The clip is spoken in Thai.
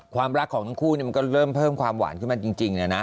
ความรักของทั้งคู่มันก็เริ่มเพิ่มความหวานขึ้นมาจริงนะ